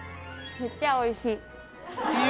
めっちゃおいしい。